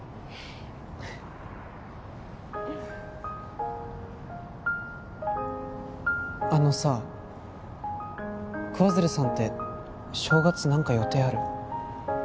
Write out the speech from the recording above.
もうあのさ桑鶴さんって正月何か予定ある？